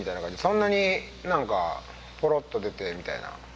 そんなに何かポロッと出てみたいな感じ